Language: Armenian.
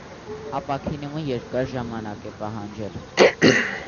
Ապաքինումը երկար ժամանակ է պահանջել։